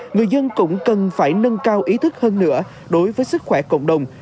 người dân cũng cần phải nâng cao ý thức hơn nữa đối với sức khỏe cộng đồng